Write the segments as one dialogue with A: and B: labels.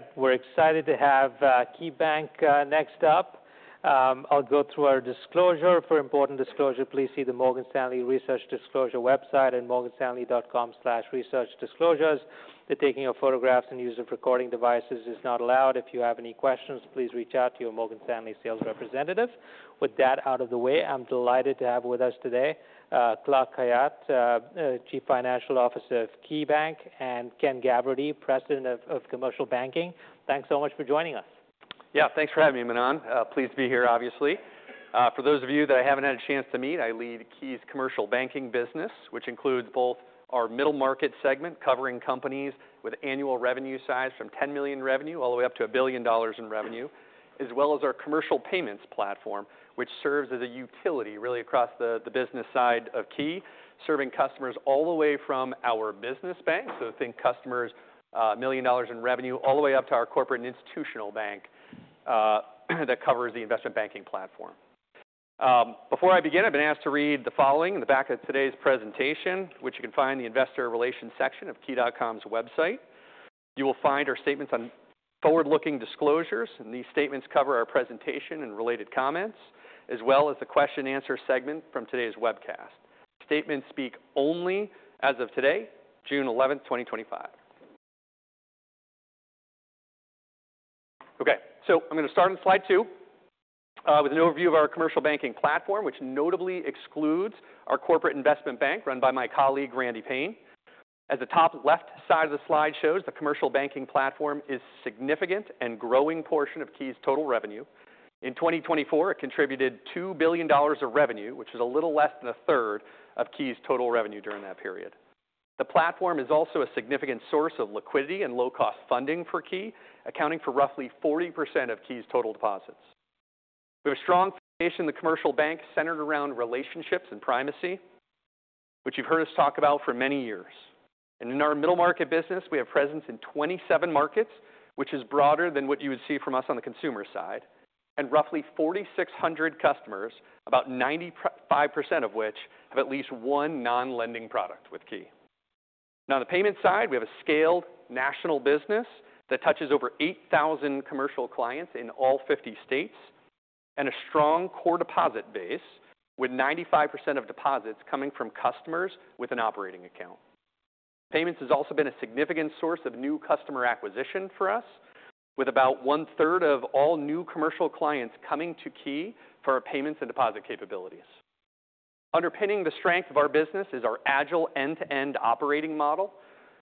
A: All right. We're excited to have KeyBank next up. I'll go through our disclosure. For important disclosure, please see the Morgan Stanley Research Disclosure website at morganstanley.com/researchdisclosures. The taking of photographs and use of recording devices is not allowed. If you have any questions, please reach out to your Morgan Stanley sales representative. With that out of the way, I'm delighted to have with us today Clark Khayat, Chief Financial Officer of KeyBank, and Ken Gavrity, President of Commercial Banking. Thanks so much for joining us.
B: Yeah, thanks for having me, Manan. Pleased to be here, obviously. For those of you that I haven't had a chance to meet, I lead Key's commercial banking business, which includes both our middle market segment, covering companies with annual revenue size from $10 million revenue all the way up to a billion dollars in revenue, as well as our commercial payments platform, which serves as a utility really across the business side of Key, serving customers all the way from our business bank, so think customers, a million dollars in revenue, all the way up to our corporate and institutional bank that covers the investment banking platform. Before I begin, I've been asked to read the following in the back of today's presentation, which you can find in the Investor Relations section of key.com's website. You will find our statements on forward-looking disclosures, and these statements cover our presentation and related comments, as well as the question-and-answer segment from today's webcast. Statements speak only as of today, June 11, 2025. Okay, so I'm going to start on slide two with an overview of our commercial banking platform, which notably excludes our corporate investment bank run by my colleague Randy Paine. As the top left side of the slide shows, the commercial banking platform is a significant and growing portion of Key's total revenue. In 2024, it contributed $2 billion of revenue, which is a little less than a third of Key's total revenue during that period. The platform is also a significant source of liquidity and low-cost funding for Key, accounting for roughly 40% of Key's total deposits. We have a strong foundation in the commercial bank centered around relationships and primacy, which you've heard us talk about for many years. In our middle market business, we have presence in 27 markets, which is broader than what you would see from us on the consumer side, and roughly 4,600 customers, about 95% of which have at least one non-lending product with Key. On the payment side, we have a scaled national business that touches over 8,000 commercial clients in all 50 states and a strong core deposit base, with 95% of deposits coming from customers with an operating account. Payments has also been a significant source of new customer acquisition for us, with about one-third of all new commercial clients coming to Key for our payments and deposit capabilities. Underpinning the strength of our business is our agile end-to-end operating model.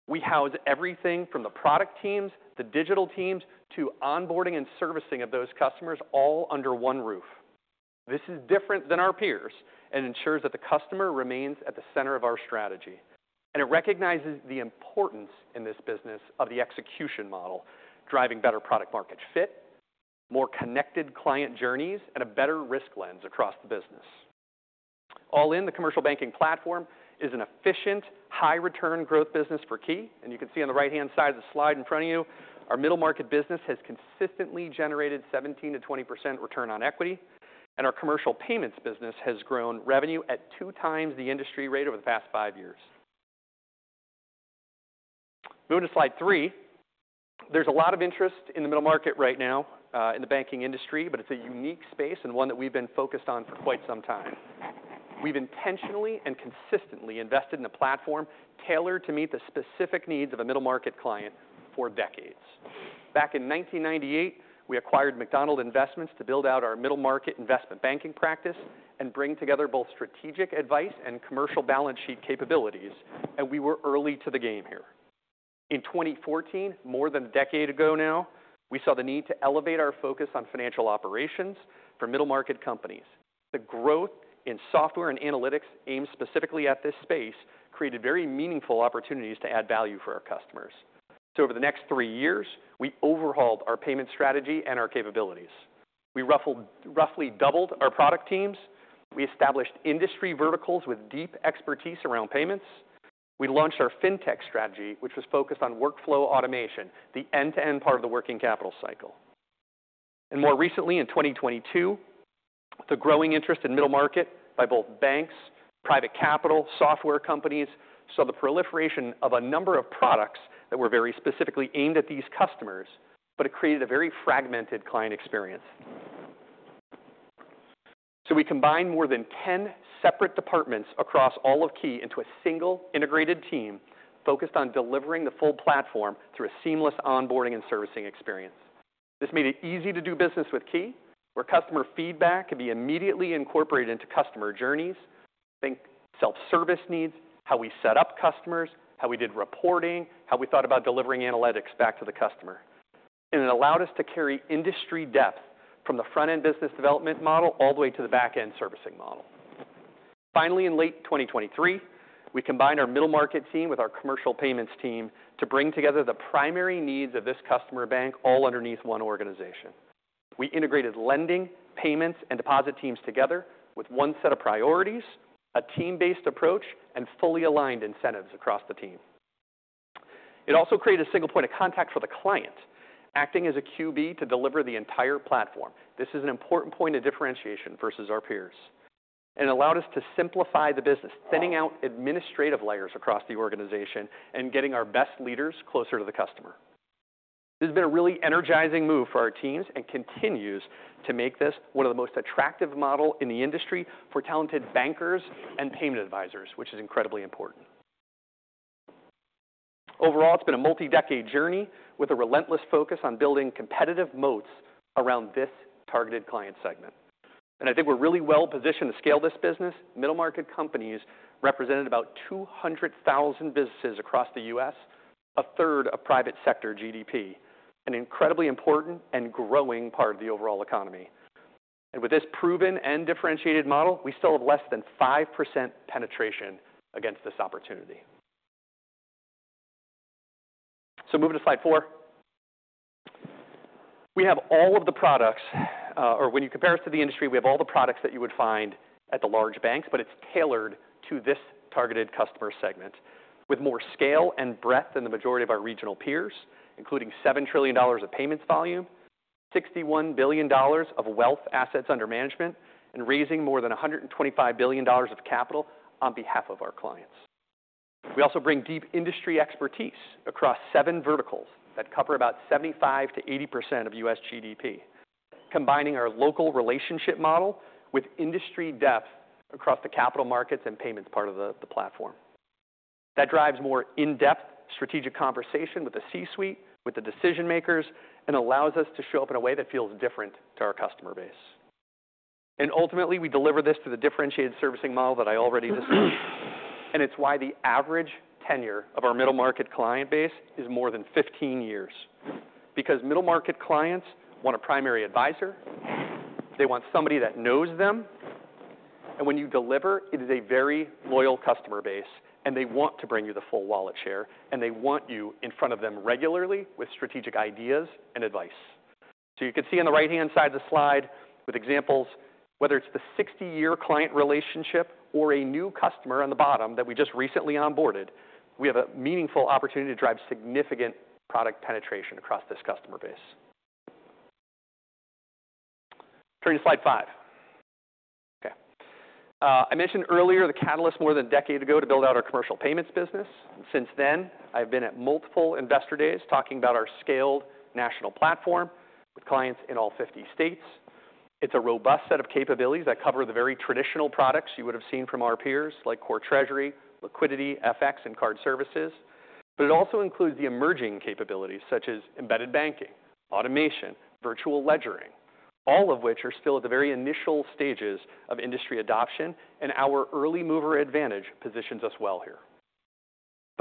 B: We house everything from the product teams, the digital teams, to onboarding and servicing of those customers all under one roof. This is different than our peers and ensures that the customer remains at the center of our strategy. It recognizes the importance in this business of the execution model, driving better product-market fit, more connected client journeys, and a better risk lens across the business. All in, the commercial banking platform is an efficient, high-return growth business for Key. You can see on the right-hand side of the slide in front of you, our middle market business has consistently generated 17%-20% return on equity, and our commercial payments business has grown revenue at two times the industry rate over the past five years. Moving to slide three, there's a lot of interest in the middle market right now in the banking industry, but it's a unique space and one that we've been focused on for quite some time. We've intentionally and consistently invested in a platform tailored to meet the specific needs of a middle market client for decades. Back in 1998, we acquired McDonald Investments to build out our middle market investment banking practice and bring together both strategic advice and commercial balance sheet capabilities, and we were early to the game here. In 2014, more than a decade ago now, we saw the need to elevate our focus on financial operations for middle market companies. The growth in software and analytics aimed specifically at this space created very meaningful opportunities to add value for our customers. Over the next three years, we overhauled our payment strategy and our capabilities. We roughly doubled our product teams. We established industry verticals with deep expertise around payments. We launched our fintech strategy, which was focused on workflow automation, the end-to-end part of the working capital cycle. More recently, in 2022, the growing interest in middle market by both banks, private capital, and software companies saw the proliferation of a number of products that were very specifically aimed at these customers, but it created a very fragmented client experience. We combined more than 10 separate departments across all of Key into a single integrated team focused on delivering the full platform through a seamless onboarding and servicing experience. This made it easy to do business with Key, where customer feedback could be immediately incorporated into customer journeys, think self-service needs, how we set up customers, how we did reporting, how we thought about delivering analytics back to the customer. It allowed us to carry industry depth from the front-end business development model all the way to the back-end servicing model. Finally, in late 2023, we combined our middle market team with our commercial payments team to bring together the primary needs of this customer bank all underneath one organization. We integrated lending, payments, and deposit teams together with one set of priorities, a team-based approach, and fully aligned incentives across the team. It also created a single point of contact for the client, acting as a QB to deliver the entire platform. This is an important point of differentiation versus our peers. It allowed us to simplify the business, thinning out administrative layers across the organization and getting our best leaders closer to the customer. This has been a really energizing move for our teams and continues to make this one of the most attractive models in the industry for talented bankers and payment advisors, which is incredibly important. Overall, it has been a multi-decade journey with a relentless focus on building competitive moats around this targeted client segment. I think we are really well positioned to scale this business. Middle market companies represented about 200,000 businesses across the U.S., a third of private sector GDP, an incredibly important and growing part of the overall economy. With this proven and differentiated model, we still have less than 5% penetration against this opportunity. Moving to slide four, we have all of the products, or when you compare us to the industry, we have all the products that you would find at the large banks, but it is tailored to this targeted customer segment with more scale and breadth than the majority of our regional peers, including $7 trillion of payments volume, $61 billion of wealth assets under management, and raising more than $125 billion of capital on behalf of our clients. We also bring deep industry expertise across seven verticals that cover about 75%-80% of U.S. GDP, combining our local relationship model with industry depth across the capital markets and payments part of the platform. That drives more in-depth strategic conversation with the C-suite, with the decision-makers, and allows us to show up in a way that feels different to our customer base. Ultimately, we deliver this through the differentiated servicing model that I already discussed, and it is why the average tenure of our middle market client base is more than 15 years, because middle market clients want a primary advisor. They want somebody that knows them. When you deliver, it is a very loyal customer base, and they want to bring you the full wallet share, and they want you in front of them regularly with strategic ideas and advice. You can see on the right-hand side of the slide with examples, whether it is the 60-year client relationship or a new customer on the bottom that we just recently onboarded, we have a meaningful opportunity to drive significant product penetration across this customer base. Turning to slide five. I mentioned earlier the catalyst more than a decade ago to build out our commercial payments business. Since then, I've been at multiple investor days talking about our scaled national platform with clients in all 50 states. It's a robust set of capabilities that cover the very traditional products you would have seen from our peers like core treasury, liquidity, FX, and card services. It also includes the emerging capabilities such as embedded banking, automation, virtual ledgering, all of which are still at the very initial stages of industry adoption, and our early mover advantage positions us well here.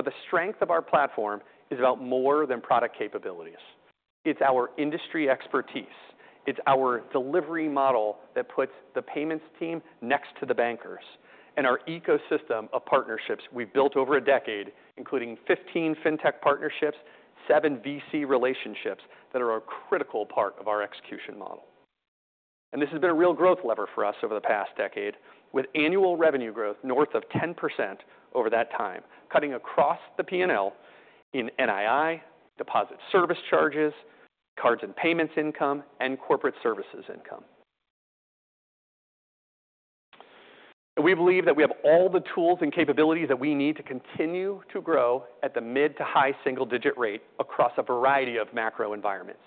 B: The strength of our platform is about more than product capabilities. It's our industry expertise. It's our delivery model that puts the payments team next to the bankers and our ecosystem of partnerships we've built over a decade, including 15 fintech partnerships, seven VC relationships that are a critical part of our execution model. This has been a real growth lever for us over the past decade, with annual revenue growth north of 10% over that time, cutting across the P&L in NII, deposit service charges, cards and payments income, and corporate services income. We believe that we have all the tools and capabilities that we need to continue to grow at the mid to high single-digit rate across a variety of macro environments.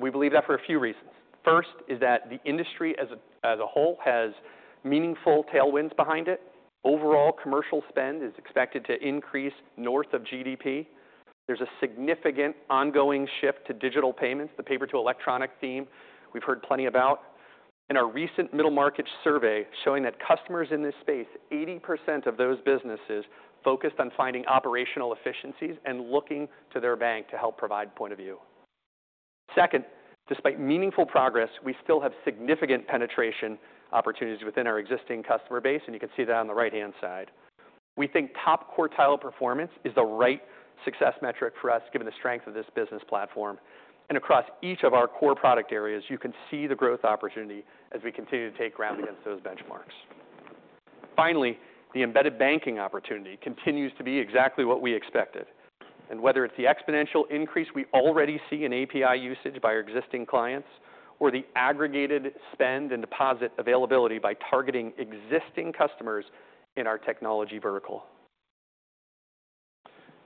B: We believe that for a few reasons. First is that the industry as a whole has meaningful tailwinds behind it. Overall commercial spend is expected to increase north of GDP. There is a significant ongoing shift to digital payments, the paper-to-electronic theme we have heard plenty about, and our recent middle market survey showing that customers in this space, 80% of those businesses focused on finding operational efficiencies and looking to their bank to help provide point of view. Second, despite meaningful progress, we still have significant penetration opportunities within our existing customer base, and you can see that on the right-hand side. We think top quartile performance is the right success metric for us given the strength of this business platform. Across each of our core product areas, you can see the growth opportunity as we continue to take ground against those benchmarks. Finally, the embedded banking opportunity continues to be exactly what we expected. Whether it's the exponential increase we already see in API usage by our existing clients or the aggregated spend and deposit availability by targeting existing customers in our technology vertical,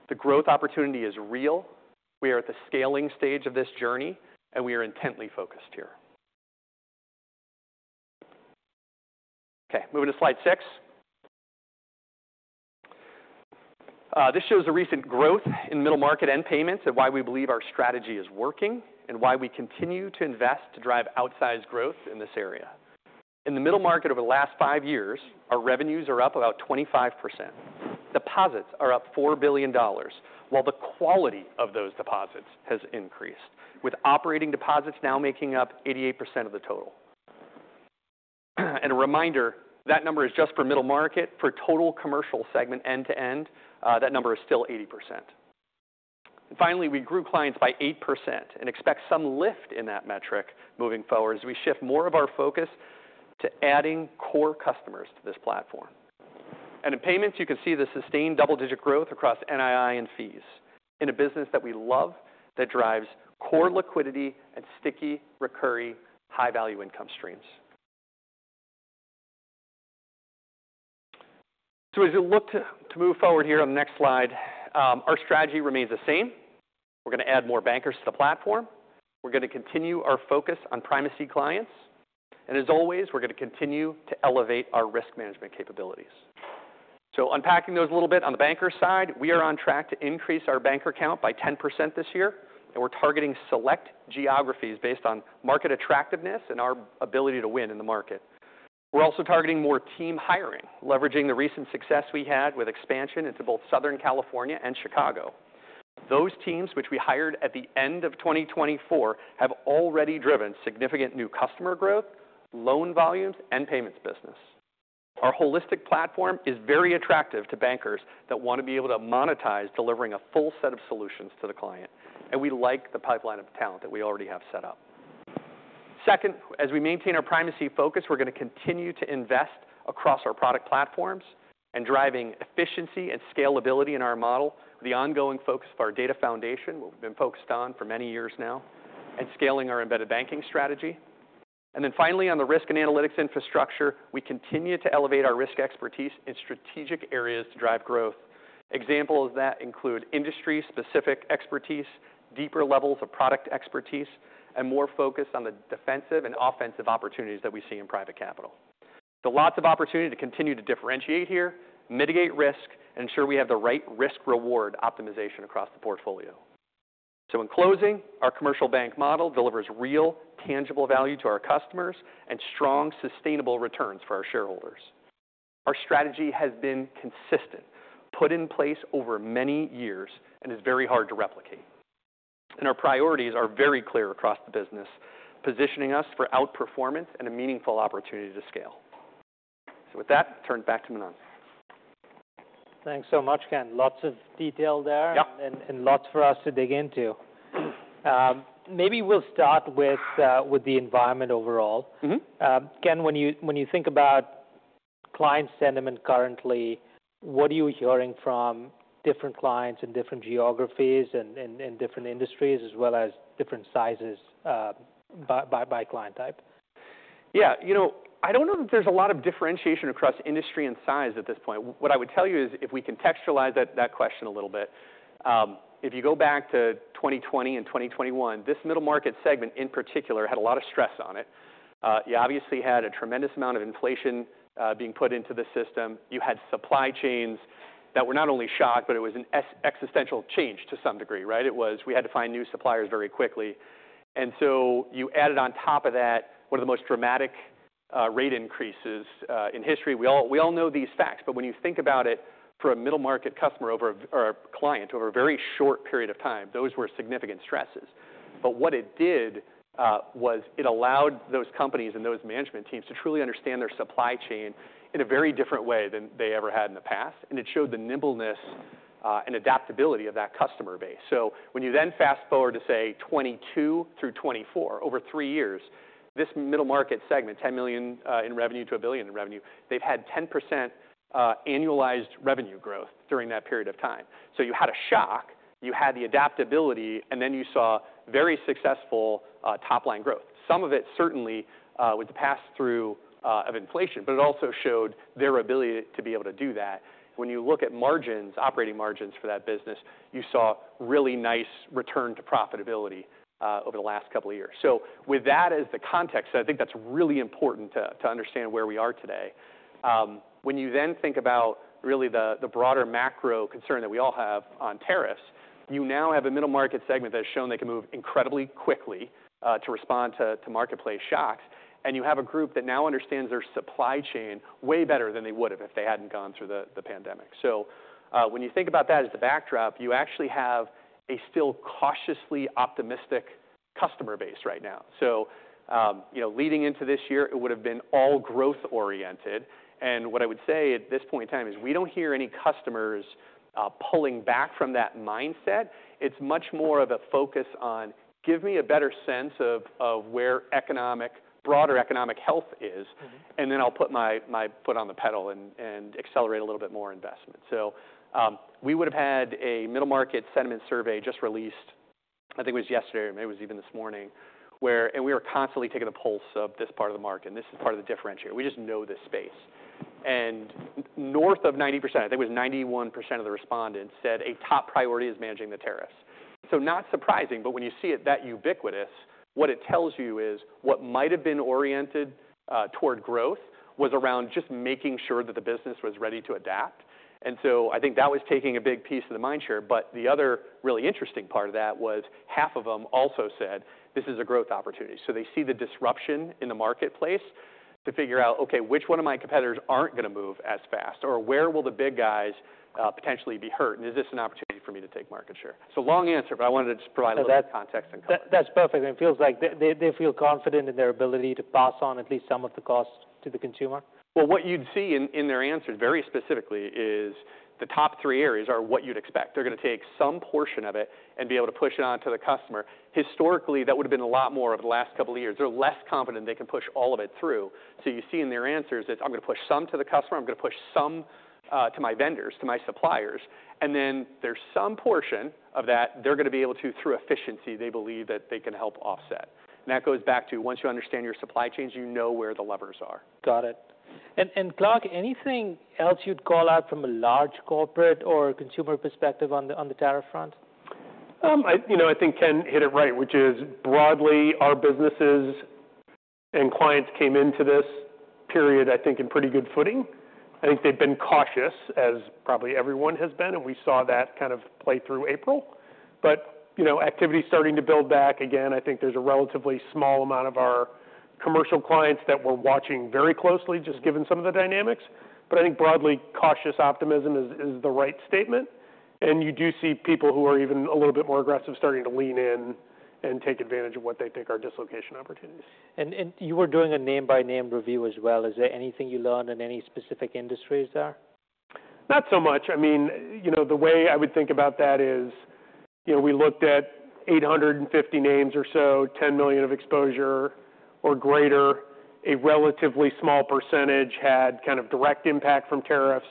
B: the growth opportunity is real. We are at the scaling stage of this journey, and we are intently focused here. Okay, moving to slide six. This shows the recent growth in middle market and payments and why we believe our strategy is working and why we continue to invest to drive outsized growth in this area. In the middle market over the last five years, our revenues are up about 25%. Deposits are up $4 billion, while the quality of those deposits has increased, with operating deposits now making up 88% of the total. A reminder, that number is just for middle market. For total commercial segment end-to-end, that number is still 80%. Finally, we grew clients by 8% and expect some lift in that metric moving forward as we shift more of our focus to adding core customers to this platform. In payments, you can see the sustained double-digit growth across NII and fees in a business that we love that drives core liquidity and sticky, recurring, high-value income streams. As you look to move forward here on the next slide, our strategy remains the same. We're going to add more bankers to the platform. We're going to continue our focus on primacy clients. As always, we're going to continue to elevate our risk management capabilities. Unpacking those a little bit on the banker side, we are on track to increase our banker count by 10% this year, and we're targeting select geographies based on market attractiveness and our ability to win in the market. We're also targeting more team hiring, leveraging the recent success we had with expansion into both Southern California and Chicago. Those teams, which we hired at the end of 2024, have already driven significant new customer growth, loan volumes, and payments business. Our holistic platform is very attractive to bankers that want to be able to monetize delivering a full set of solutions to the client. We like the pipeline of talent that we already have set up. Second, as we maintain our primacy focus, we're going to continue to invest across our product platforms and driving efficiency and scalability in our model, the ongoing focus of our data foundation, what we've been focused on for many years now, and scaling our embedded banking strategy. Finally, on the risk and analytics infrastructure, we continue to elevate our risk expertise in strategic areas to drive growth. Examples of that include industry-specific expertise, deeper levels of product expertise, and more focus on the defensive and offensive opportunities that we see in private capital. Lots of opportunity to continue to differentiate here, mitigate risk, and ensure we have the right risk-reward optimization across the portfolio. In closing, our commercial bank model delivers real, tangible value to our customers and strong, sustainable returns for our shareholders. Our strategy has been consistent, put in place over many years, and is very hard to replicate. Our priorities are very clear across the business, positioning us for outperformance and a meaningful opportunity to scale. With that, turn it back to Manan.
A: Thanks so much, Ken. Lots of detail there and lots for us to dig into. Maybe we will start with the environment overall. Ken, when you think about client sentiment currently, what are you hearing from different clients in different geographies and different industries, as well as different sizes by client type?
B: Yeah. I don't know that there's a lot of differentiation across industry and size at this point. What I would tell you is if we contextualize that question a little bit, if you go back to 2020 and 2021, this middle market segment in particular had a lot of stress on it. You obviously had a tremendous amount of inflation being put into the system. You had supply chains that were not only shocked, but it was an existential change to some degree, right? It was we had to find new suppliers very quickly. You added on top of that one of the most dramatic rate increases in history. We all know these facts, but when you think about it for a middle market customer or a client over a very short period of time, those were significant stresses. What it did was it allowed those companies and those management teams to truly understand their supply chain in a very different way than they ever had in the past. It showed the nimbleness and adaptability of that customer base. When you then fast forward to, say, 2022 through 2024, over three years, this middle market segment, $10 million in revenue to $1 billion in revenue, they've had 10% annualized revenue growth during that period of time. You had a shock, you had the adaptability, and then you saw very successful top-line growth. Some of it certainly with the pass-through of inflation, but it also showed their ability to be able to do that. When you look at margins, operating margins for that business, you saw really nice return to profitability over the last couple of years. With that as the context, I think that's really important to understand where we are today. When you then think about really the broader macro concern that we all have on tariffs, you now have a middle market segment that has shown they can move incredibly quickly to respond to marketplace shocks. You have a group that now understands their supply chain way better than they would have if they had not gone through the pandemic. When you think about that as the backdrop, you actually have a still cautiously optimistic customer base right now. Leading into this year, it would have been all growth-oriented. What I would say at this point in time is we do not hear any customers pulling back from that mindset. It's much more of a focus on, "Give me a better sense of where economic, broader economic health is, and then I'll put my foot on the pedal and accelerate a little bit more investment." We would have had a middle market sentiment survey just released, I think it was yesterday, or maybe it was even this morning, where we were constantly taking the pulse of this part of the market. This is part of the differentiator. We just know this space. North of 90%, I think it was 91% of the respondents said a top priority is managing the tariffs. Not surprising, but when you see it that ubiquitous, what it tells you is what might have been oriented toward growth was around just making sure that the business was ready to adapt. I think that was taking a big piece of the mind share. The other really interesting part of that was half of them also said, "This is a growth opportunity." They see the disruption in the marketplace to figure out, "Okay, which one of my competitors are not going to move as fast, or where will the big guys potentially be hurt? And is this an opportunity for me to take market share?" Long answer, but I wanted to just provide a little bit of context and context.
A: That's perfect. It feels like they feel confident in their ability to pass on at least some of the cost to the consumer.
B: What you would see in their answer very specifically is the top three areas are what you would expect. They're going to take some portion of it and be able to push it on to the customer. Historically, that would have been a lot more over the last couple of years. They're less confident they can push all of it through. You see in their answers that, "I'm going to push some to the customer. I'm going to push some to my vendors, to my suppliers." There's some portion of that they're going to be able to, through efficiency, they believe that they can help offset. That goes back to once you understand your supply chains, you know where the levers are.
A: Got it. Clark, anything else you'd call out from a large corporate or consumer perspective on the tariff front?
C: I think Ken hit it right, which is broadly our businesses and clients came into this period, I think, in pretty good footing. I think they've been cautious, as probably everyone has been, and we saw that kind of play through April. Activity's starting to build back again. I think there's a relatively small amount of our commercial clients that we're watching very closely, just given some of the dynamics. I think broadly cautious optimism is the right statement. You do see people who are even a little bit more aggressive starting to lean in and take advantage of what they think are dislocation opportunities.
A: You were doing a name-by-name review as well. Is there anything you learned in any specific industries there?
C: Not so much. I mean, the way I would think about that is we looked at 850 names or so, $10 million of exposure or greater. A relatively small percentage had kind of direct impact from tariffs.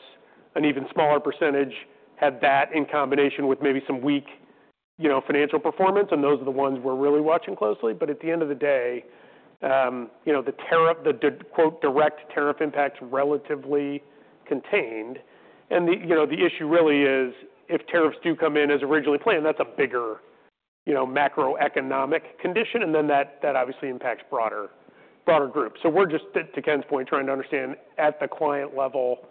C: An even smaller percentage had that in combination with maybe some weak financial performance. Those are the ones we're really watching closely. At the end of the day, the "direct tariff impact" is relatively contained. The issue really is if tariffs do come in as originally planned, that's a bigger macroeconomic condition. That obviously impacts broader groups. We are just, to Ken's point, trying to understand at the client level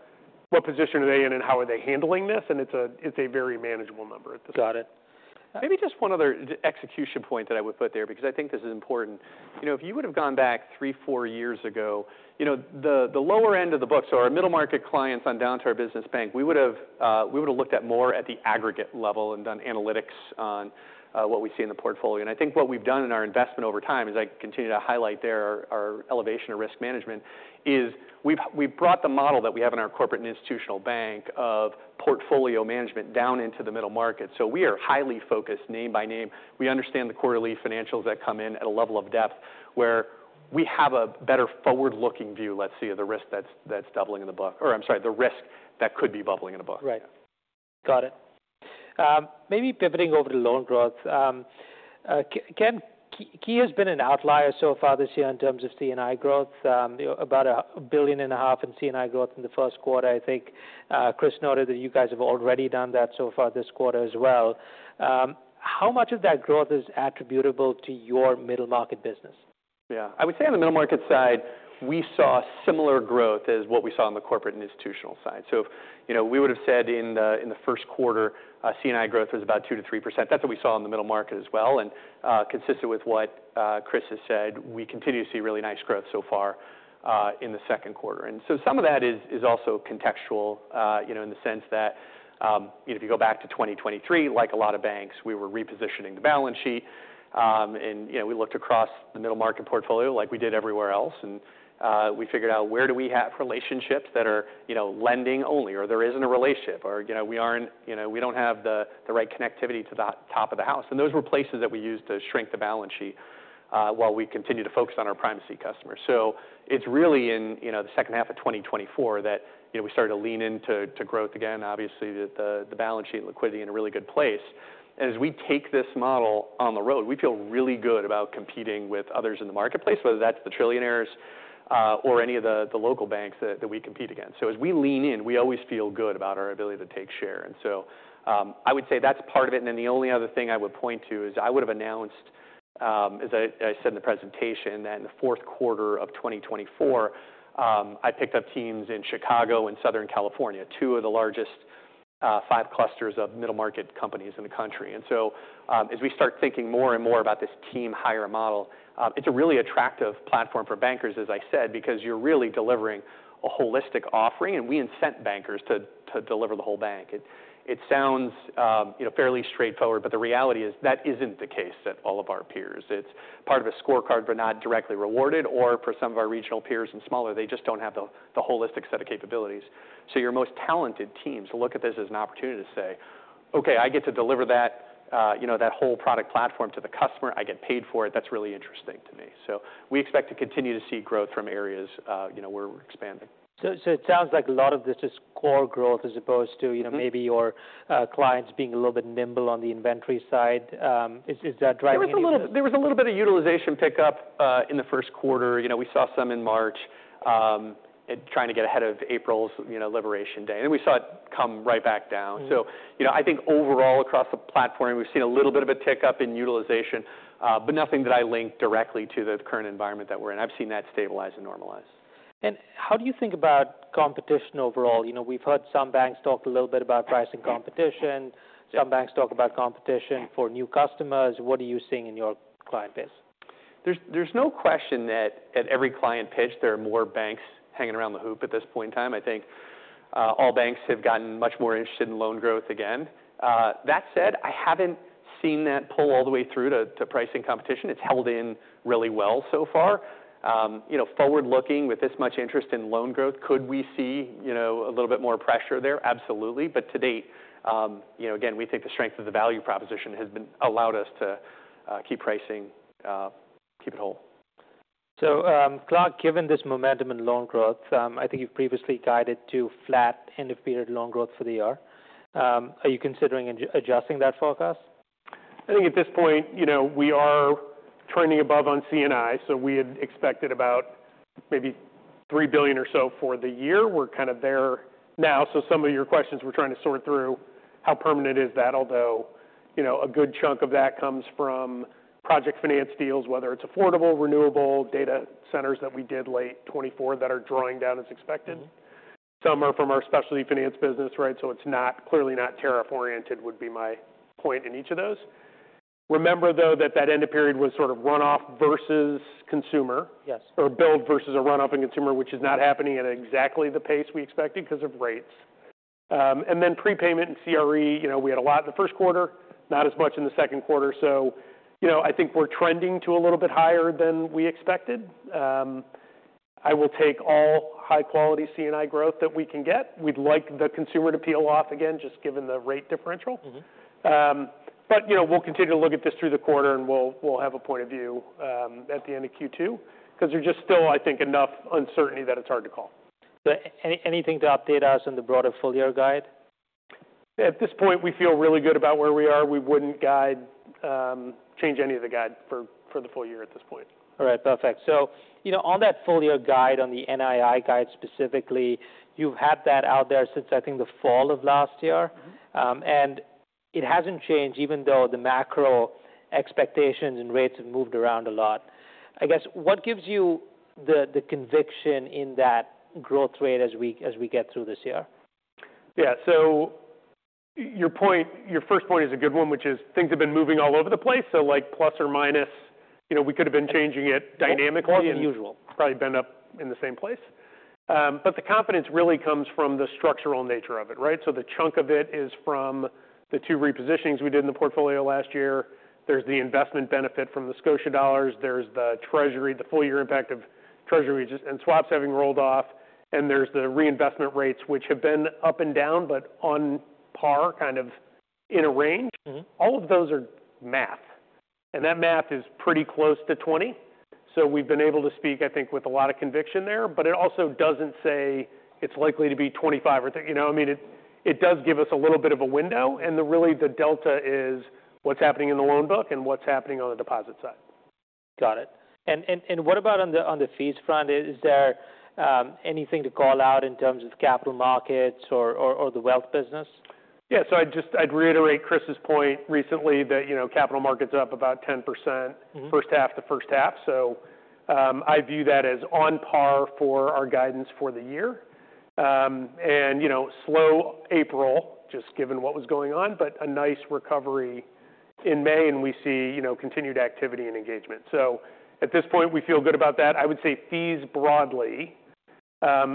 C: what position are they in and how are they handling this. It is a very manageable number at this point.
A: Got it.
B: Maybe just one other execution point that I would put there because I think this is important. If you would have gone back three, four years ago, the lower end of the book, so our middle market clients on Downtown Business Bank, we would have looked at more at the aggregate level and done analytics on what we see in the portfolio. I think what we've done in our investment over time, as I continue to highlight there, our elevation of risk management is we've brought the model that we have in our corporate and institutional bank of portfolio management down into the middle market. We are highly focused name by name. We understand the quarterly financials that come in at a level of depth where we have a better forward-looking view, let's see, of the risk that's bubbling in the book. Or, I'm sorry, the risk that could be bubbling in the book.
A: Right. Got it. Maybe pivoting over to loan growth. Ken, Key has been an outlier so far this year in terms of C&I growth, about $1.5 billion in C&I growth in the first quarter. I think Chris noted that you guys have already done that so far this quarter as well. How much of that growth is attributable to your middle market business?
B: Yeah. I would say on the middle market side, we saw similar growth as what we saw on the corporate and institutional side. So we would have said in the first quarter, C&I growth was about 2%-3%. That's what we saw in the middle market as well. And consistent with what Chris has said, we continue to see really nice growth so far in the second quarter. Some of that is also contextual in the sense that if you go back to 2023, like a lot of banks, we were repositioning the balance sheet. We looked across the middle market portfolio like we did everywhere else. We figured out where do we have relationships that are lending only, or there is not a relationship, or we do not have the right connectivity to the top of the house. Those were places that we used to shrink the balance sheet while we continued to focus on our primacy customers. It is really in the second half of 2024 that we started to lean into growth again. Obviously, the balance sheet and liquidity are in a really good place. As we take this model on the road, we feel really good about competing with others in the marketplace, whether that's the trillionaires or any of the local banks that we compete against. We always feel good about our ability to take share. I would say that's part of it. The only other thing I would point to is I would have announced, as I said in the presentation, that in the fourth quarter of 2024, I picked up teams in Chicago and Southern California, two of the largest five clusters of middle market companies in the country. As we start thinking more and more about this team hire model, it's a really attractive platform for bankers, as I said, because you're really delivering a holistic offering. We incent bankers to deliver the whole bank. It sounds fairly straightforward, but the reality is that isn't the case at all of our peers. It's part of a scorecard for not directly rewarded or for some of our regional peers and smaller. They just don't have the holistic set of capabilities. Your most talented teams look at this as an opportunity to say, "Okay, I get to deliver that whole product platform to the customer. I get paid for it. That's really interesting to me." We expect to continue to see growth from areas where we're expanding.
A: It sounds like a lot of this is core growth as opposed to maybe your clients being a little bit nimble on the inventory side. Is that driving?
B: There was a little bit of utilization pickup in the first quarter. We saw some in March trying to get ahead of April's liberation day. We saw it come right back down. I think overall across the platform, we've seen a little bit of a tick up in utilization, but nothing that I link directly to the current environment that we're in. I've seen that stabilize and normalize.
A: How do you think about competition overall? We've heard some banks talk a little bit about price and competition. Some banks talk about competition for new customers. What are you seeing in your client base?
B: There's no question that at every client pitch, there are more banks hanging around the hoop at this point in time. I think all banks have gotten much more interested in loan growth again. That said, I haven't seen that pull all the way through to price and competition. It's held in really well so far. Forward-looking, with this much interest in loan growth, could we see a little bit more pressure there? Absolutely. To date, again, we think the strength of the value proposition has allowed us to keep pricing, keep it whole.
A: Clark, given this momentum in loan growth, I think you have previously guided to flat end-of-period loan growth for the year. Are you considering adjusting that forecast?
C: I think at this point, we are trending above on C&I. We had expected about maybe $3 billion or so for the year. We are kind of there now. Some of your questions we are trying to sort through, how permanent is that? Although a good chunk of that comes from project finance deals, whether it is affordable, renewable, data centers that we did late 2024 that are drawing down as expected. Some are from our specialty finance business, right? It's clearly not tariff-oriented, would be my point in each of those. Remember though that that end-of-period was sort of runoff versus consumer or build versus a runoff and consumer, which is not happening at exactly the pace we expected because of rates. Then prepayment and CRE, we had a lot in the first quarter, not as much in the second quarter. I think we're trending to a little bit higher than we expected. I will take all high-quality C&I growth that we can get. We'd like the consumer to peel off again, just given the rate differential. We'll continue to look at this through the quarter, and we'll have a point of view at the end of Q2 because there's just still, I think, enough uncertainty that it's hard to call.
A: Anything to update us on the broader full-year guide?
C: At this point, we feel really good about where we are. We would not change any of the guide for the full year at this point.
A: All right. Perfect. On that full-year guide, on the NII guide specifically, you have had that out there since, I think, the fall of last year. It has not changed even though the macro expectations and rates have moved around a lot. I guess what gives you the conviction in that growth rate as we get through this year?
C: Yeah. Your first point is a good one, which is things have been moving all over the place. Plus or minus, we could have been changing it dynamically. Or more than usual. Probably been up in the same place. The confidence really comes from the structural nature of it, right? The chunk of it is from the two repositionings we did in the portfolio last year. There is the investment benefit from the Scotia dollars. There is the full-year impact of Treasuries and swaps having rolled off. There are the reinvestment rates, which have been up and down, but on par, kind of in a range. All of those are math. That math is pretty close to 20. We have been able to speak, I think, with a lot of conviction there. It also does not say it is likely to be 25 or 30. I mean, it does give us a little bit of a window. Really, the delta is what is happening in the loan book and what is happening on the deposit side.
A: Got it. What about on the fees front? Is there anything to call out in terms of capital markets or the wealth business?
C: Yeah. I'd reiterate Chris's point recently that capital markets are up about 10% first half to first half. I view that as on par for our guidance for the year. Slow April, just given what was going on, but a nice recovery in May, and we see continued activity and engagement. At this point, we feel good about that. I would say fees broadly,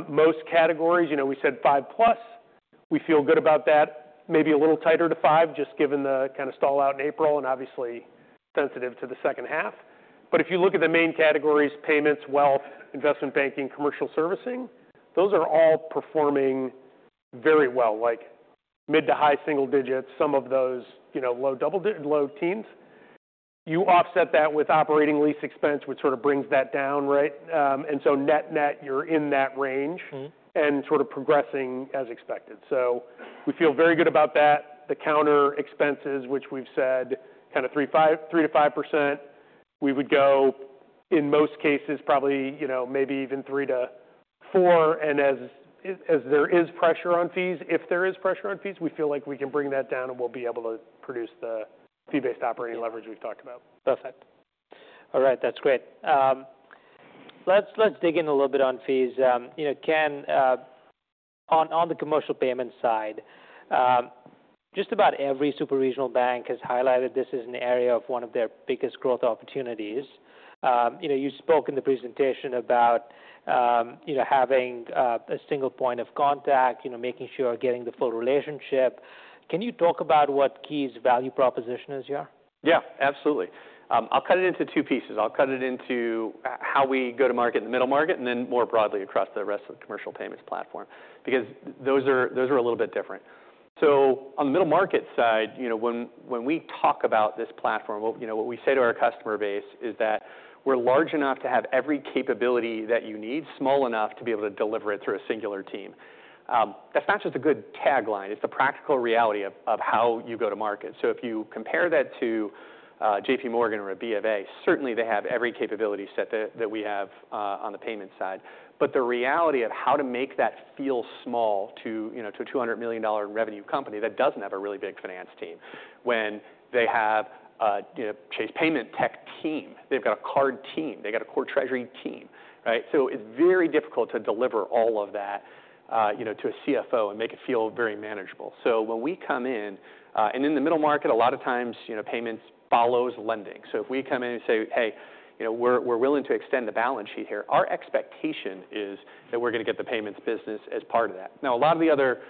C: most categories. We said five-plus. We feel good about that. Maybe a little tighter to five, just given the kind of stall out in April and obviously sensitive to the second half. If you look at the main categories: payments, wealth, investment banking, commercial servicing, those are all performing very well, like mid to high single digits, some of those low teens. You offset that with operating lease expense, which sort of brings that down, right? Net-net, you're in that range and sort of progressing as expected. We feel very good about that. The counter expenses, which we've said kind of 3%-5%, we would go in most cases probably maybe even 3%-4%. As there is pressure on fees, if there is pressure on fees, we feel like we can bring that down, and we'll be able to produce the fee-based operating leverage we've talked about.
A: Perfect. All right. That's great. Let's dig in a little bit on fees. Ken, on the commercial payment side, just about every super regional bank has highlighted this as an area of one of their biggest growth opportunities. You spoke in the presentation about having a single point of contact, making sure getting the full relationship. Can you talk about what Key's value proposition is here?
B: Yeah. Absolutely. I'll cut it into two pieces. I'll cut it into how we go to market in the middle market and then more broadly across the rest of the commercial payments platform because those are a little bit different. On the middle market side, when we talk about this platform, what we say to our customer base is that we're large enough to have every capability that you need, small enough to be able to deliver it through a singular team. That's not just a good tagline. It's the practical reality of how you go to market. If you compare that to JPMorgan or a BofA, certainly they have every capability set that we have on the payment side. The reality of how to make that feel small to a $200 million revenue company that does not have a really big finance team when they have a Chase payment tech team. They have a card team. They have a core treasury team, right? It is very difficult to deliver all of that to a CFO and make it feel very manageable. When we come in, and in the middle market, a lot of times payments follows lending. If we come in and say, "Hey, we are willing to extend the balance sheet here," our expectation is that we are going to get the payments business as part of that. Now, a lot of the other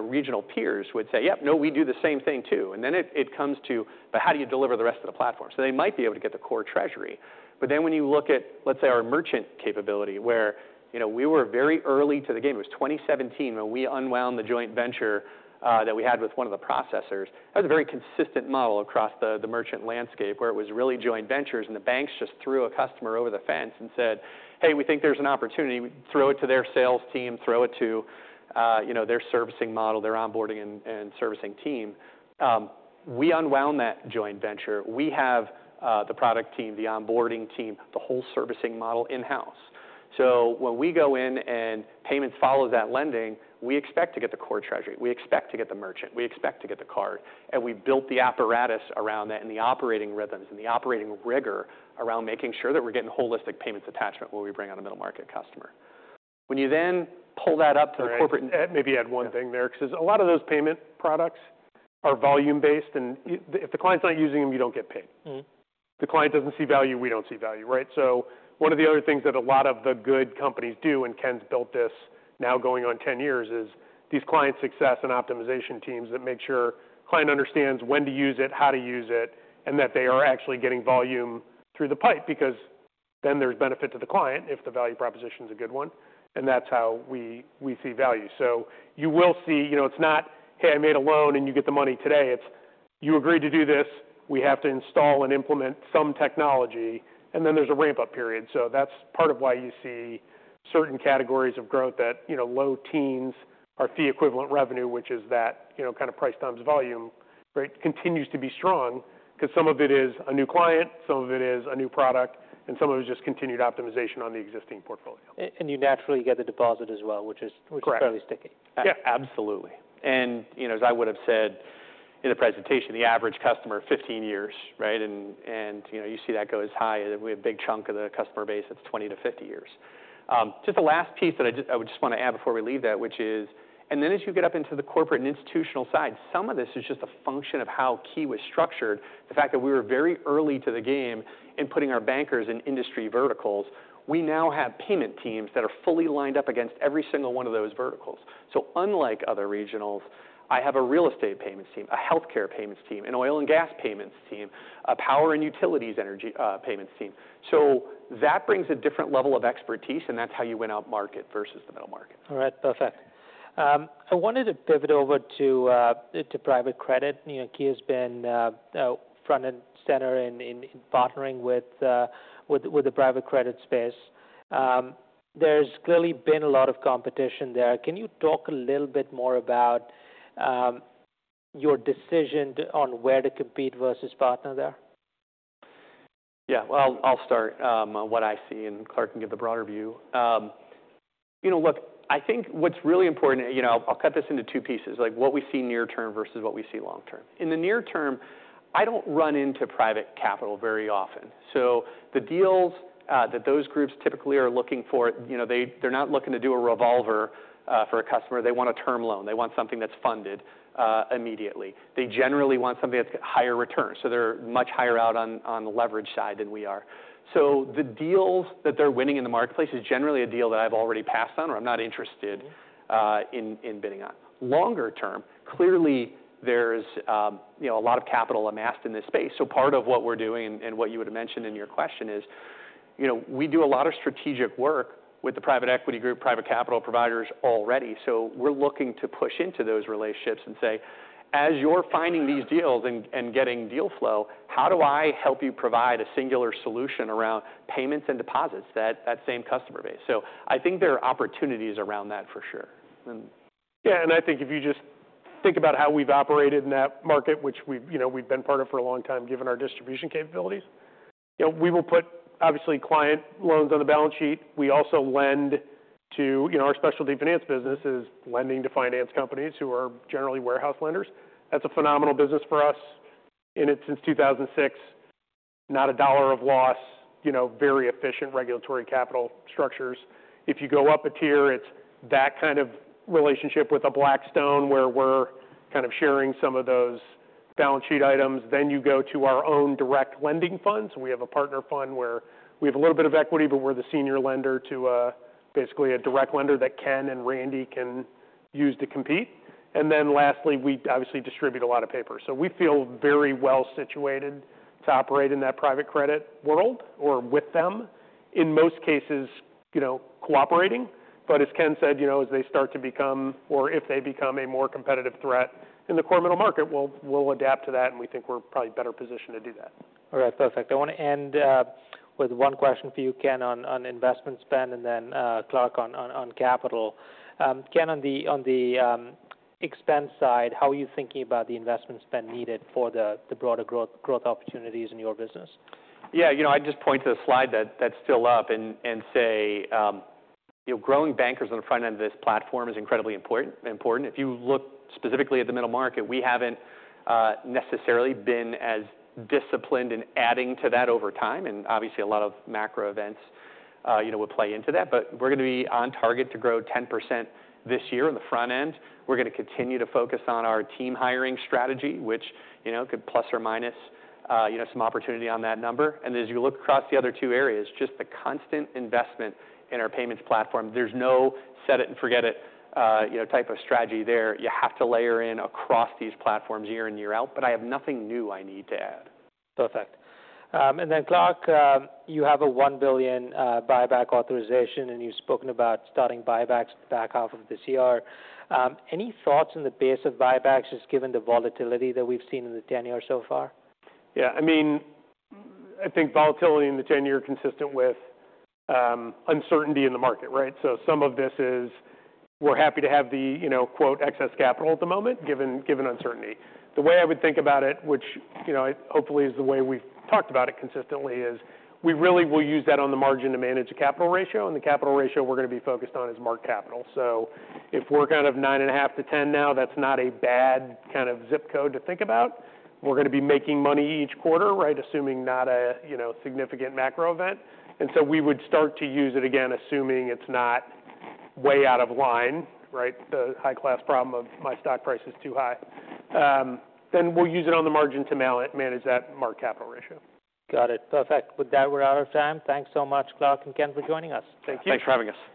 B: regional peers would say, "Yep, no, we do the same thing too." It comes to, "But how do you deliver the rest of the platform?" They might be able to get the core treasury. When you look at, let's say, our merchant capability where we were very early to the game, it was 2017 when we unwound the joint venture that we had with one of the processors. That was a very consistent model across the merchant landscape where it was really joint ventures, and the banks just threw a customer over the fence and said, "Hey, we think there's an opportunity. Throw it to their sales team. Throw it to their servicing model, their onboarding and servicing team." We unwound that joint venture. We have the product team, the onboarding team, the whole servicing model in-house. When we go in and payments follows that lending, we expect to get the core treasury. We expect to get the merchant. We expect to get the card. We built the apparatus around that and the operating rhythms and the operating rigor around making sure that we're getting holistic payments attachment when we bring on a middle market customer. When you then pull that up to the corporate.
C: Right. Maybe add one thing there because a lot of those payment products are volume-based. If the client's not using them, you do not get paid. The client does not see value. We do not see value, right? One of the other things that a lot of the good companies do, and Ken's built this now going on 10 years, is these client success and optimization teams that make sure the client understands when to use it, how to use it, and that they are actually getting volume through the pipe because then there's benefit to the client if the value proposition is a good one. That's how we see value. You will see it's not, "Hey, I made a loan and you get the money today." It's, "You agreed to do this. We have to install and implement some technology." Then there's a ramp-up period. That's part of why you see certain categories of growth at low teens, our fee equivalent revenue, which is that kind of price times volume, right, continues to be strong because some of it is a new client, some of it is a new product, and some of it is just continued optimization on the existing portfolio.
A: You naturally get the deposit as well, which is fairly sticky. Correct. Yeah. Absolutely.
B: As I would have said in the presentation, the average customer, 15 years, right? You see that go as high. We have a big chunk of the customer base that's 20-50 years. Just the last piece that I would just want to add before we leave that, which is, as you get up into the corporate and institutional side, some of this is just a function of how Key was structured. The fact that we were very early to the game in putting our bankers in industry verticals, we now have payment teams that are fully lined up against every single one of those verticals. Unlike other regionals, I have a real estate payments team, a healthcare payments team, an oil and gas payments team, a power and utilities payments team. That brings a different level of expertise, and that's how you win out market versus the middle market.
A: All right. Perfect. I wanted to pivot over to private credit. Key has been front and center in partnering with the private credit space. There's clearly been a lot of competition there. Can you talk a little bit more about your decision on where to compete versus partner there?
B: Yeah. I'll start on what I see, and Clark can give the broader view. Look, I think what's really important, I'll cut this into two pieces, what we see near-term versus what we see long-term. In the near term, I don't run into private capital very often. So the deals that those groups typically are looking for, they're not looking to do a revolver for a customer. They want a term loan. They want something that's funded immediately. They generally want something that's higher return. So they're much higher out on the leverage side than we are. So the deals that they're winning in the marketplace is generally a deal that I've already passed on or I'm not interested in bidding on. Longer term, clearly there's a lot of capital amassed in this space. Part of what we're doing and what you had mentioned in your question is we do a lot of strategic work with the private equity group, private capital providers already. We're looking to push into those relationships and say, "As you're finding these deals and getting deal flow, how do I help you provide a singular solution around payments and deposits, that same customer base?" I think there are opportunities around that for sure.
C: Yeah. I think if you just think about how we've operated in that market, which we've been part of for a long time given our distribution capabilities, we will put obviously client loans on the balance sheet. We also lend to our specialty finance business is lending to finance companies who are generally warehouse lenders. That's a phenomenal business for us. It is since 2006, not a dollar of loss, very efficient regulatory capital structures. If you go up a tier, it is that kind of relationship with Blackstone where we are kind of sharing some of those balance sheet items. You go to our own direct lending funds. We have a partner fund where we have a little bit of equity, but we are the senior lender to basically a direct lender that Ken and Randy can use to compete. Lastly, we obviously distribute a lot of paper. We feel very well situated to operate in that private credit world or with them, in most cases cooperating. As Ken said, as they start to become, or if they become a more competitive threat in the core middle market, we will adapt to that, and we think we are probably better positioned to do that.
A: All right. Perfect. I want to end with one question for you, Ken, on investment spend, and then Clark on capital. Ken, on the expense side, how are you thinking about the investment spend needed for the broader growth opportunities in your business?
B: Yeah. I'd just point to the slide that's still up and say growing bankers on the front end of this platform is incredibly important. If you look specifically at the middle market, we haven't necessarily been as disciplined in adding to that over time. Obviously, a lot of macro events would play into that. We're going to be on target to grow 10% this year on the front end. We're going to continue to focus on our team hiring strategy, which could plus or minus some opportunity on that number. As you look across the other two areas, just the constant investment in our payments platform, there is no set-it-and-forget-it type of strategy there. You have to layer in across these platforms year in, year out. I have nothing new I need to add.
A: Perfect. Clark, you have a $1 billion buyback authorization, and you have spoken about starting buybacks back half of this year. Any thoughts on the pace of buybacks just given the volatility that we have seen in the tenure so far?
C: Yeah. I think volatility in the tenure is consistent with uncertainty in the market, right? Some of this is we are happy to have the "excess capital" at the moment given uncertainty. The way I would think about it, which hopefully is the way we've talked about it consistently, is we really will use that on the margin to manage the capital ratio. And the capital ratio we're going to be focused on is Mark Capital. If we're kind of 9 and a half to 10 now, that's not a bad kind of zip code to think about. We're going to be making money each quarter, right, assuming not a significant macro event. We would start to use it again assuming it's not way out of line, right? The high-class problem of my stock price is too high. We will use it on the margin to manage that Mark Capital ratio. Got it. Perfect. With that, we're out of time. Thanks so much, Clark and Ken, for joining us. Thank you.
B: Thanks for having us.